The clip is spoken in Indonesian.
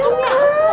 aduh mereka gak tau